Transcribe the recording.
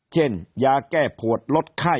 เช่นยาแก้ปวดลดไข้